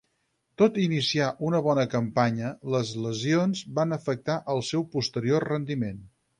Tot i iniciar una bona campanya, les lesions van afectar el seu posterior rendiment.